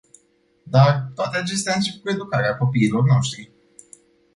Dar, toate acestea încep cu educarea copiilor noștri.